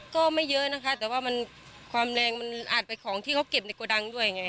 ก็ไม่เยอะนะคะแต่ว่าความแรงอาจไปของที่เขาเก็บในกระดังด้วย